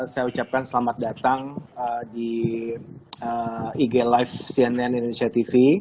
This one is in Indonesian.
saya ucapkan selamat datang di ig live cnn indonesia tv